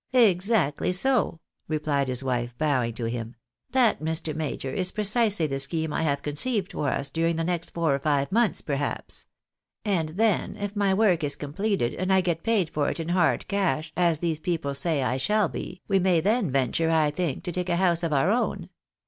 " Exactly so," replied his wife, bowing to him. " That, Mr. Major, is precisely the scheme I have conceived for us during the next four or five months, perhaps. And then, if my work is com pleted, and I get paid for it in hard cash, as these people say I Bhall be, we may then venture, I think, to take a house of our own.